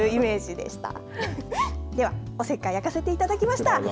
ではおせっかい焼かせていただきました。